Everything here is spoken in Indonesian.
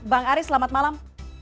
bang aris selamat malam